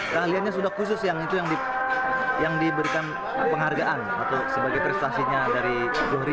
kaliannya sudah khusus yang diberikan penghargaan atau sebagai prestasinya dari zohri